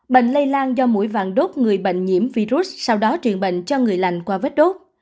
bệnh lây lan do mũi vàng đốt người bệnh nhiễm virus sau đó truyền bệnh cho người lành qua vết đốt